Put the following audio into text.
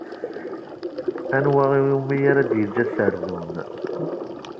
Anwa iwumi ara d-yeǧǧ aserdun.